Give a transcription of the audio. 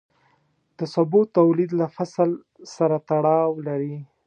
د سبو تولید له فصل سره تړاو لري.